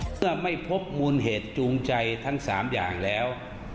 เมื่อไม่พบมูลเหตุจูงใจทั้ง๓อย่างแล้ว